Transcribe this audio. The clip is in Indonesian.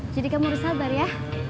jadi kamu harus sabar ya